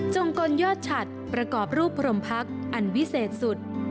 กลยอดฉัดประกอบรูปพรมพักอันวิเศษสุด